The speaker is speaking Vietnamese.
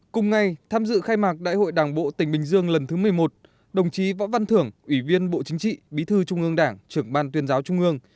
cùng ngay tham dự khai mạc đại hội đảng bộ tỉnh bình dương lần thứ một mươi một đồng chí võ văn thưởng ủy viên bộ chính trị bí thư trung ương đảng trưởng ban tuyên giáo trung ương